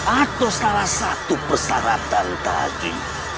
atau salah satu persyaratan tadi